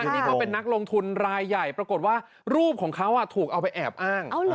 นี่เขาเป็นนักลงทุนรายใหญ่ปรากฏว่ารูปของเขาถูกเอาไปแอบอ้าง